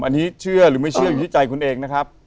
อันนี้เชื่อหรือไม่เชื่ออยู่ที่ใจคุณเองนะครับ